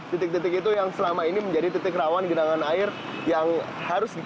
titik titik itu yang selama ini menjadi titik rawan genangan air yang harus di